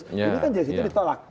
ini kan jc itu ditolak